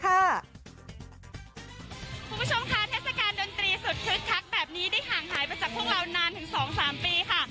คุณผู้ชมค่ะเทศกาลดนตรีสุดคึกคักแบบนี้ได้ห่างหายไปจากพวกเรานานถึง๒๓ปีค่ะ